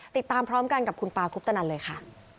ติดตามพร้อมกันกับคุณปาคุปตนันเลยค่ะ